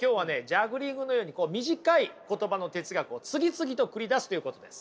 ジャグリングのように短い言葉の哲学を次々と繰り出すということです。